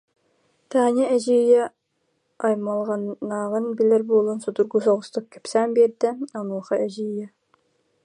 Таня эдьиийэ аймалҕаннааҕын билэр буолан, судургу соҕустук кэпсээн биэрдэ, онуоха эдьиийэ: